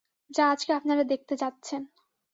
যা আজকে আপনারা দেখতে যাচ্ছেন।